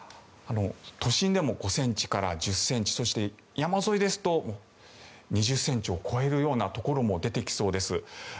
都心でも５ｃｍから１０ｃｍそして山沿いですと２０ｃｍを超えるようなところも出てきそうです。